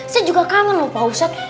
saya juga kangen loh pak ustadz